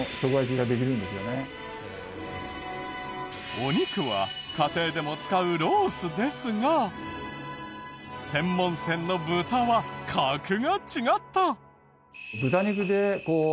お肉は家庭でも使うロースですが専門店の豚は格が違った！